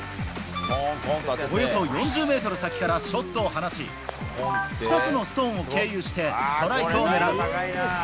およそ４０メートル先からショットを放ち、２つのストーンを経由してストライクを狙う。